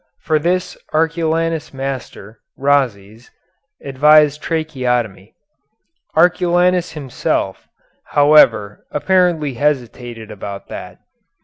For this Arculanus' master, Rhazes, advised tracheotomy. Arculanus himself, however, apparently hesitated about that.